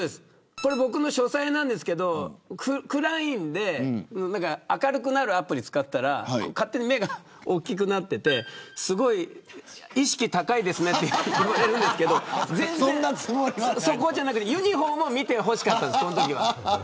これ僕の書斎なんですけど暗いんで明るくなるアプリを使ったら勝手に目が大きくなっててすごい意識高いですねって言われるんですけどそこじゃなくてユニホームを見てほしかったんです。